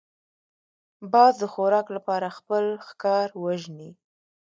باز د خوراک لپاره خپل ښکار وژني